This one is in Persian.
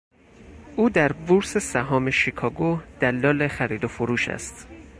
او در بورس سهام شیکاگو دلال خرید و فروش است.